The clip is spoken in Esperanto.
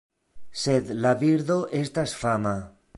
Sed la birdo estas fama.